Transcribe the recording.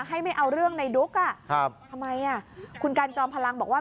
ให้ไม่เอาเรื่องในดุ๊กอ่ะครับทำไมอ่ะคุณกันจอมพลังบอกว่า